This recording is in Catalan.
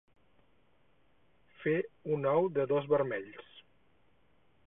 Fer un ou de dos vermells.